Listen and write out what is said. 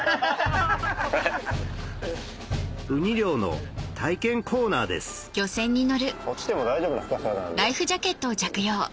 ウニ漁の体験コーナーです落ちても大丈夫な深さなんで。